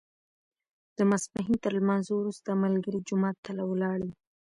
د ماسپښین تر لمانځه وروسته ملګري جومات ته ولاړل.